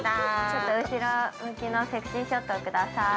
◆ちょっと後ろ向きのセクシーショットをください。